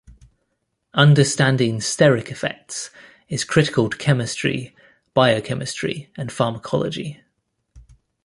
Understanding steric effects is critical to chemistry, biochemistry and pharmacology.